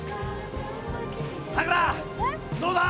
さくらどうだ？